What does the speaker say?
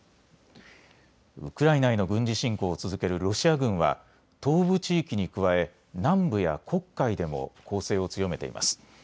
ウクライナへの軍事侵攻を続けるロシア軍は東部地域に加え南部や黒海でも攻勢を強めています。